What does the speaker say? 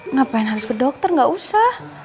ngapain harus ke dokter gak usah